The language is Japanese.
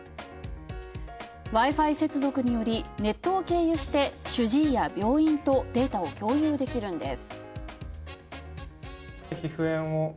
Ｗｉ−Ｆｉ接続によりネットを経由して主治医や病院とデータを共有できるんです。